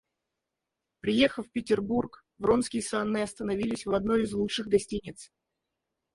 Приехав в Петербург, Вронский с Анной остановились в одной из лучших гостиниц.